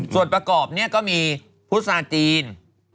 ส่วนประกอบเนี่ยก็มีพุษาจีน